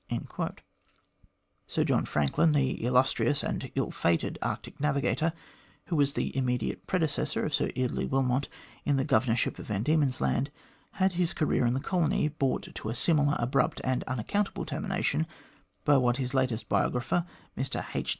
Sir John Franklin, the illustrious and ill fated Arctic navigator, who was the immediate predecessor of Sir Eardley Wilmot in the Governorship of Van Diemen's Land, had his career in the colony brought to a similarly abrupt and unaccountable termination by what his latest biographer,, Mr H.